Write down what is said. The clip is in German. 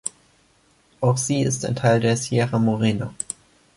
Auch sie ist ein Teil der Sierra Morena.